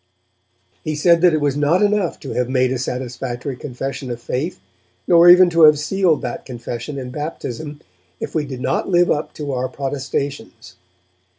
He said that it was not enough to have made a satisfactory confession of faith, nor even to have sealed that confession in baptism, if we did not live up to our protestations.